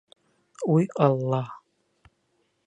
Уй Алла!..